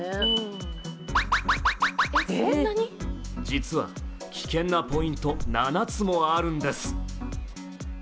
実は危険なポイント、７つもあるんです。